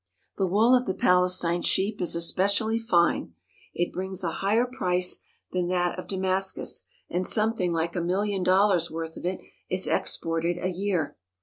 The wool of the Palestine sheep is especially fine. It brings a higher price than that of Damascus, and some thing like a million dollars' worth of it is exported a year.